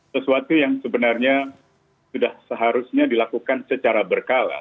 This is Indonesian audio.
sesuatu yang sebenarnya sudah seharusnya dilakukan secara berkala